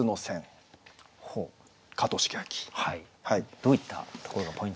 どういったところがポイントでしょうか？